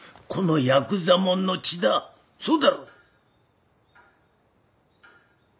このやくざ者の血だそうだろ！